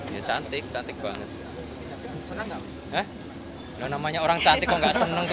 mas kesang sekarang sudah menjadi suami mbak erina